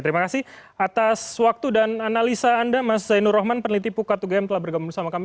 terima kasih atas waktu dan analisa anda mas zainur rahman peneliti pukat ugm telah bergabung bersama kami